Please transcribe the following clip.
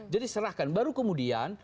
jadi serahkan baru kemudian